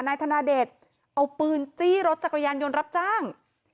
นายธนาเดชเอาปืนจี้รถจักรยานยนต์รับจ้าง